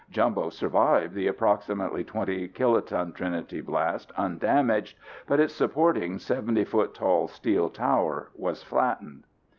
Jumbo survived the approximately 20 kiloton Trinity blast undamaged, but its supporting 70 foot tall steel tower was flattened.